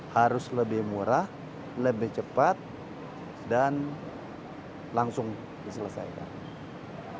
harus lebih murah lebih cepat dan langsung diselesaikan